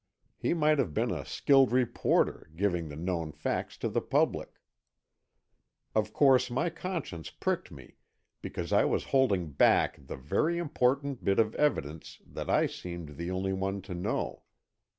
He might have been a skilled reporter, giving the known facts to the public. Of course my conscience pricked me because I was holding back the very important bit of evidence that I seemed the only one to know.